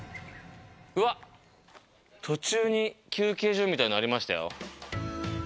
うわっ、途中に休憩所みたいのありましたよ。